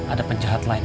ada penjahat lain